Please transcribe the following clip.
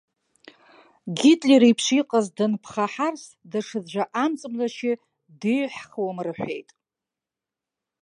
Гитлер иеиԥш иҟаз данԥхаҳарс, даҽаӡәы амҵ-млашьы деҩҳхуам рҳәеит!